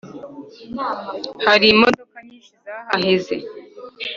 Hari imodoka nyinshi zahaheze